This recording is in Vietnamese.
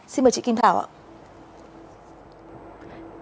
xin mời chị kim thảo ạ